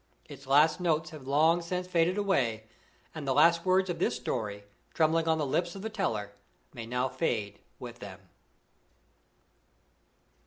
Its last notes have long since faded away and the last words of this story, trembling on the lips of the teller, may now fade with them.